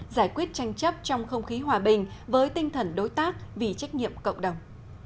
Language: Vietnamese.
giải quyết tranh chấp trong không khí hòa bình với tinh thần đối tác vì trách nhiệm cộng đồng